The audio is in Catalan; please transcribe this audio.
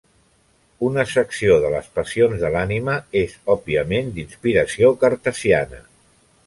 Una secció de les passions de l'ànima és òbviament d'inspiració cartesiana.